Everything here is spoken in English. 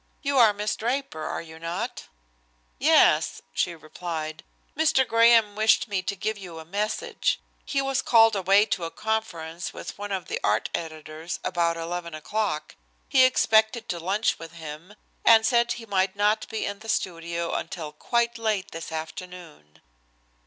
"You are Miss Draper, are you not?" "Yes," she replied. "Mr. Graham wished me to give you a message. He was called away to a conference with one of the art editors about 11 o'clock. He expected to lunch with him and said he might not be in the studio until quite late this afternoon."